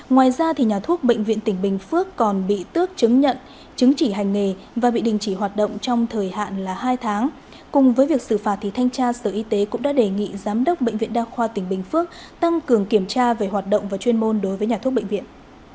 ngoài ra nhà thuốc bệnh viện tỉnh bình phước còn bị tước chứng nhận chứng chỉ hành nghề và bị đình chỉ hoạt động trong thời hạn là hai tháng cùng với việc xử phạt thanh tra sở y tế cũng đã đề nghị giám đốc bệnh viện đa khoa tỉnh bình phước tăng cường kiểm tra về hoạt động và chuyên môn đối với nhà thuốc bệnh viện